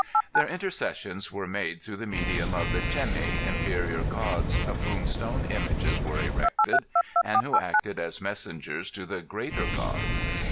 Their intercessions were made through the medium of the Cemi inferior Gods of whom stone images were erected, and who acted as messengers to the greater Gods.